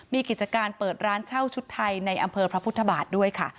มีกิจการเปิดร้านเช่าชุดไทยในอำเภอพระพุทธบาทด้วยค่ะ